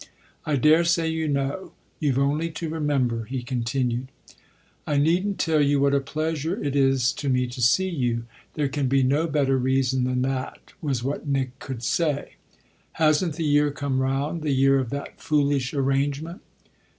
"I daresay you know you've only to remember," he continued. "I needn't tell you what a pleasure it is to me to see you there can be no better reason than that," was what Nick could say. "Hasn't the year come round the year of that foolish arrangement?"